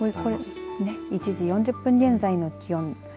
１時４０分現在の気温